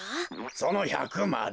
その１００まで。